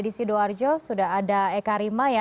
di sidoarjo sudah ada eka rima ya